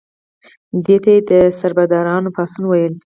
دې ته یې د سربدارانو پاڅون ویل.